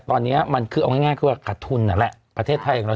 ตอนเนี้ยมันคือเอาง่ายง่ายคือว่าการกัดทุนอ่ะแหละประเทศไทยของเรา